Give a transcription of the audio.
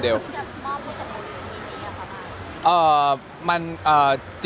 แต่โปรเจคชื่อว่าเหมือนเขามั่วพูดจากคนอื่นที่นี่หรือว่าก็ฟะ